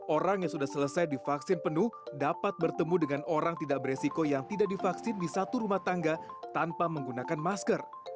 orang yang sudah selesai divaksin penuh dapat bertemu dengan orang tidak beresiko yang tidak divaksin di satu rumah tangga tanpa menggunakan masker